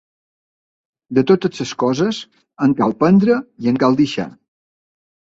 De totes les coses en cal prendre i en cal deixar.